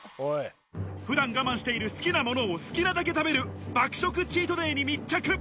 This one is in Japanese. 普段我慢してる好きなものを好きなだけ食べる爆食チートデイに密着。